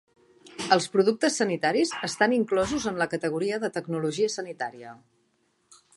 Els productes sanitaris estan inclosos en la categoria de Tecnologia sanitària.